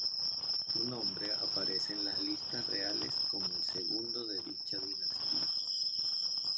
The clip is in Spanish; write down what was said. Su nombre aparece en las listas reales como el segundo de dicha dinastía.